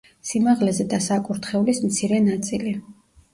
სიმაღლეზე და საკურთხევლის მცირე ნაწილი.